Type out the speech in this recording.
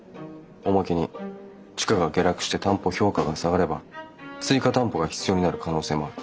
おまけに地価が下落して担保評価が下がれば追加担保が必要になる可能性もある。